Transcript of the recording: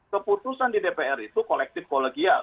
keputusan di dpr itu kolektif kolegial